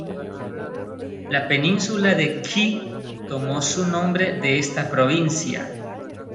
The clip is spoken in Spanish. La península de Kii tomó su nombre de esta provincia.